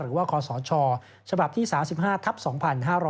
หรือว่าคศฉฉที่สา๑๕ทัพ๒๕๕๙